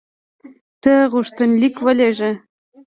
ته غوښتنلیک ولېږه.